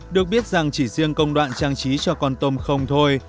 được biết rằng chỉ riêng công đoạn trang trí cho con tôm không thôi